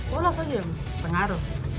ya yang pasti tuh bola